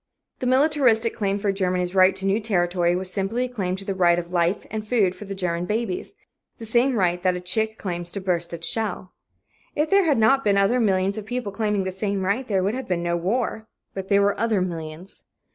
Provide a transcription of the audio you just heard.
The militaristic claim for Germany's right to new territory was simply a claim to the right of life and food for the German babies the same right that a chick claims to burst its shell. If there had not been other millions of people claiming the same right, there would have been no war. But there were other millions.